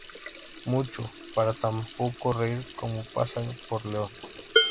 Mucho para tan poco río como pasa por León.